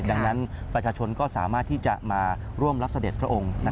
ดังนั้นประชาชนก็สามารถที่จะมาร่วมรับเสด็จพระองค์